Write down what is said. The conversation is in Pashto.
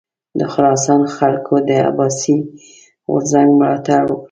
د خراسان خلکو د عباسي غورځنګ ملاتړ وکړ.